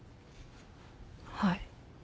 はい。